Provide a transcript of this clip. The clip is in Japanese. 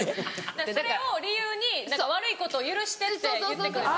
それを理由に「悪いことを許して」って言って来るんです。